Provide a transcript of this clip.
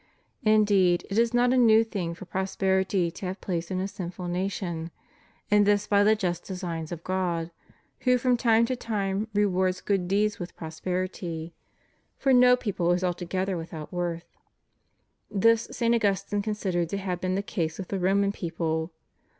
Indeed, it is not a new thing for prosperity to have place in a sinful nation; and this by the just designs of God, who from time to time rewards good deeds with prosperity, for no people is altogether without worth. This St. Augustine considered to have been the case with the Roman people.